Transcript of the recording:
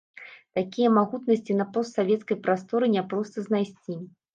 Такія магутнасці на постсавецкай прасторы няпроста знайсці.